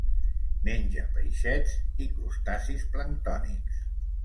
Menja peixets i crustacis planctònics.